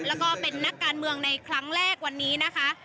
แล้วก็เป็นนักการเมืองในครั้งแรกวันนี้นะคะ